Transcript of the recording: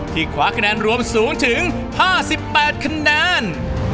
คว้าคะแนนรวมสูงถึง๕๘คะแนน